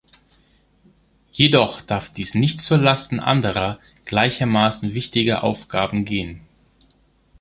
Jedoch darf dies nicht zu Lasten anderer, gleichermaßen wichtiger Aufgaben gehen.